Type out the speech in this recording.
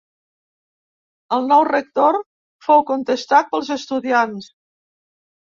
El nou rector fou contestat pels estudiants.